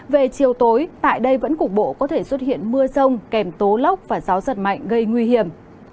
về chiều tối tại đây vẫn cục bộ có thể xuất hiện mưa rông kèm tố lốc và gió giật mạnh gây nguy hiểm